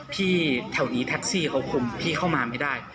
แถวนี้แท็กซี่เขาคุมพี่เข้ามาไม่ได้